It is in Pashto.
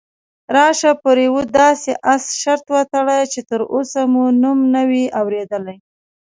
راشه پر یوه داسې اس شرط وتړو چې تراوسه مو نوم نه وي اورېدلی.